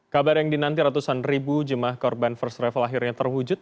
kabar yang dinanti ratusan ribu jemaah korban first travel akhirnya terwujud